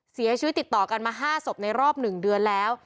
เสียชีวิตติดต่อกันมา๕ศพในรอบ๑เดือนแล้ว